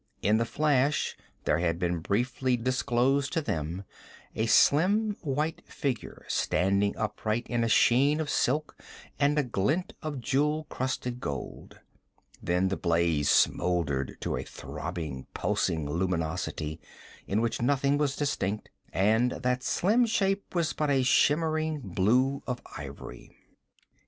In the flash there had been briefly disclosed to them a slim white figure standing upright in a sheen of silk and a glint of jewel crusted gold. Then the blaze smoldered to a throbbing, pulsing luminosity in which nothing was distinct, and that slim shape was but a shimmering blue of ivory.